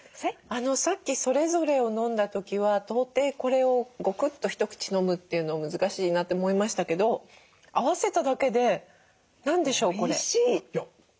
さっきそれぞれを飲んだ時は到底これをゴクッと一口飲むっていうの難しいなと思いましたけど合わせただけで何でしょうこれ。